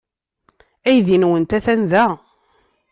Aydi-nwent atan da.